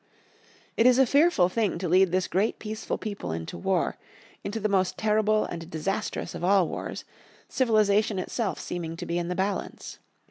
"It is a fearful thing to lead this great peaceful people into war, into the most terrible and disastrous of all wars, civilization itself seeming to be in the balance.